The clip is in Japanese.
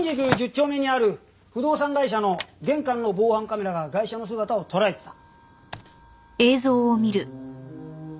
丁目にある不動産会社の玄関の防犯カメラがガイシャの姿を捉えてた。